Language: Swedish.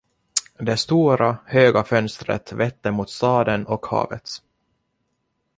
Det stora, höga fönstret vette mot staden och havet.